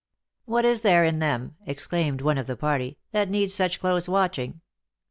" "What is there in them," exclaimed one of the party, "that needs such close watching?"